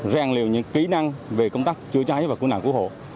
rèn luyện những kỹ năng về công tác chữa cháy và cứu nạn cứu hộ